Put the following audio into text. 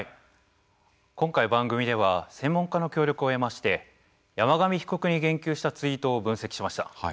今回番組では専門家の協力を得まして山上被告に言及したツイートを分析しました。